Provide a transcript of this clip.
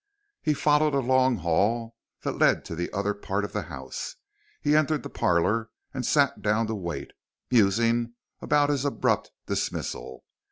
He followed a long hall that led to the other part of the house. He entered the parlor and sat down to wait, musing about his abrupt dismissal.